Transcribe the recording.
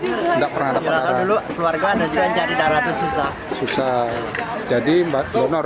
enggak pernah dulu keluarga dan jadi darah susah susah jadi mbak donor